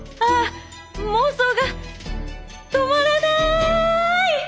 妄想が止まらない！